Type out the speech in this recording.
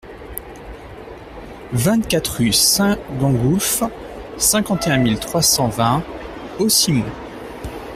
vingt-quatre rue Saint-Gengoulf, cinquante et un mille trois cent vingt Haussimont